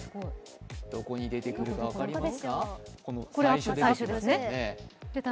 どこに出てくるか分かりますか、これ最初です。